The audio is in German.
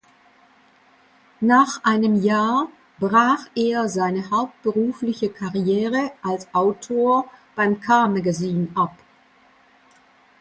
Nach einem Jahr brach er seine hauptberufliche Karriere als Autor beim Car Magazine ab.